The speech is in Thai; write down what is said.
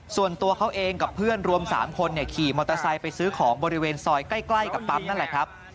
ส่วนตัวเขาเองกับเพื่อนรวม๓คนขี่มอเตอร์ไซค์ไปซื้อของบริเวณซอยใกล้กับปั๊มนั่นแหละครับ